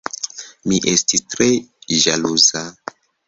Mi estis tre ĵaluza!